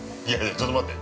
ちょっと待って。